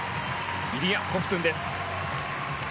イリア・コフトゥンです。